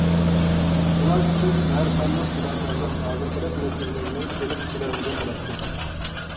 ئۇلارسىز ھەر قانداق پىداكارلىق ھازىرقىدەك نەتىجىلەرنى ئېلىپ كېلەلمىگەن بولاتتى.